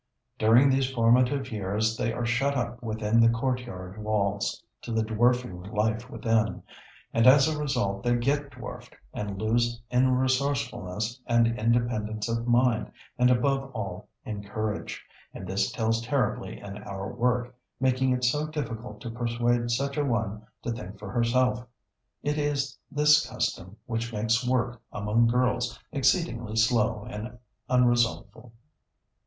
During these formative years they are shut up within the courtyard walls to the dwarfing life within, and as a result they get dwarfed, and lose in resourcefulness and independence of mind, and above all in courage; and this tells terribly in our work, making it so difficult to persuade such a one to think for herself. It is this custom which makes work among girls exceedingly slow and unresultful.